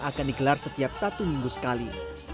akan digelar setiap satu minggu sekali